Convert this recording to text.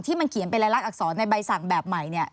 ที่มันเขียนเป็นลายลักษณ์อักษรในใบสั่งแบบใหม่